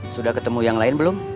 sudah ketemu yang lain belum